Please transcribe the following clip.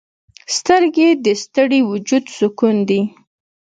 سترګې د ستړي وجود سکون دي